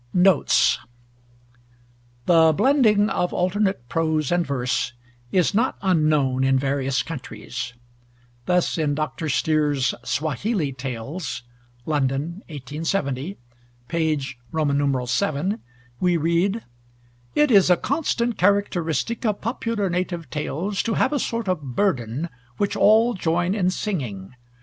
NOTES "THE BLENDING" of alternate prose and verse "is not unknown in various countries." Thus in Dr. Steere's Swahili Tales (London, 1870), p. vii. we read: "It is a constant characteristic of popular native tales to have a sort of burden, which all join in singing.